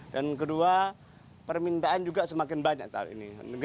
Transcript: dan kedua permintaan juga semakin banyak tahun ini